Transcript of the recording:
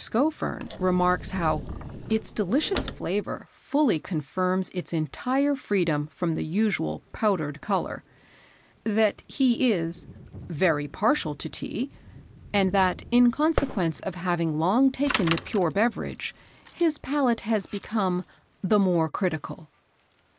Scoffern remarks how "Its delicious flavour fully confirms its entire freedom from the usual powdered colour;" that he is "very partial to Tea;" and that, in consequence of having long taken the pure beverage, his palate had become "the more critical."